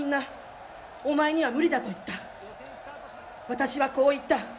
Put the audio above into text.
私はこう言った。